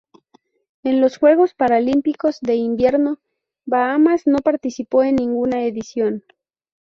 En los Juegos Paralímpicos de Invierno Bahamas no participó en ninguna edición.